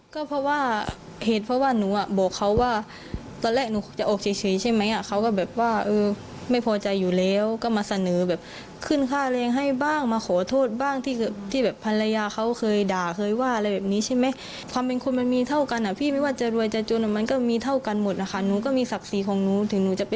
ก็เพราะว่าเหตุเพราะว่าหนูอ่ะบอกเขาว่าตอนแรกหนูจะออกเฉยใช่ไหมเขาก็แบบว่าเออไม่พอใจอยู่แล้วก็มาเสนอแบบขึ้นค่าแรงให้บ้างมาขอโทษบ้างที่แบบภรรยาเขาเคยด่าเคยว่าอะไรแบบนี้ใช่ไหมความเป็นคนมันมีเท่ากันอ่ะพี่ไม่ว่าจะรวยจะจนมันก็มีเท่ากันหมดนะคะหนูก็มีศักดิ์ศรีของหนูถึงหนูจะไป